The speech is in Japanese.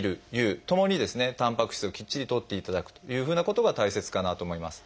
たんぱく質をきっちりとっていただくというふうなことが大切かなと思います。